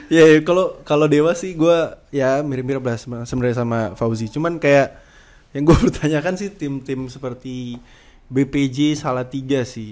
iya kalo dewa sih gua ya mirip mirip lah sebenernya sama fauzi cuman kayak yang gua perlu tanyakan sih tim tim seperti bpj salah tiga sih